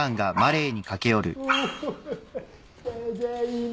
ただいま。